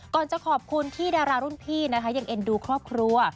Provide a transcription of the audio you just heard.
จะขอบคุณที่ดารารุ่นพี่นะคะยังเอ็นดูครอบครัว